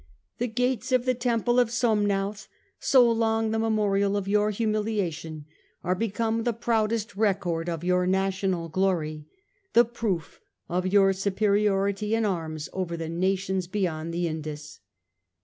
The gates of the temple of Som nauth, so long the memorial of your humiliation, are become the proudest record of your national glory ; the proof of your superiority in arms over the nations beyond the Indus.